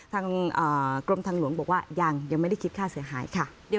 ทางกรมทางหลวงบอกว่ายังไม่ได้คิดค่าเสียหายค่ะ